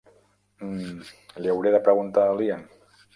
Mmm, li hauré de preguntar a l'Ian.